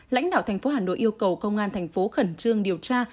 lãnh đạo thành phố hà nội yêu cầu công an thành phố khẩn trương điều tra